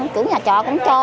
tưởng nhà trọ cũng cho